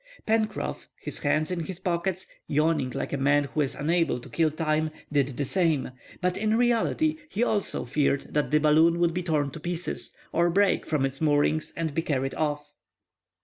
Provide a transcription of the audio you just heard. Pencroff, his hands in his pockets, yawning like a man who is unable to kill time, did the same; but in reality he also feared that the balloon would be torn to pieces, or break from its moorings and be carried off.